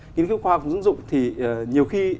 nghiên cứu khoa học ứng dụng thì nhiều khi